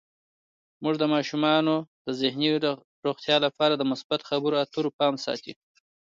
مور د ماشومانو د ذهني روغتیا لپاره د مثبت خبرو اترو پام ساتي.